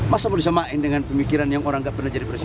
masa mau disamakan dengan pemikiran yang orang nggak pernah jadi presiden